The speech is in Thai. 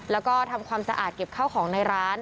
แล้วก็ทำความสะอาดเก็บข้าวของในร้าน